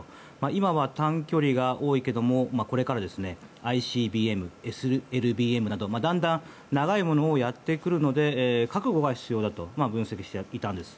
今は短距離が多いがこれからＩＣＢＭＳＬＢＭなどだんだん長いものをやってくるので覚悟は必要だと分析していたんです。